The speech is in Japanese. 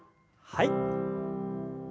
はい。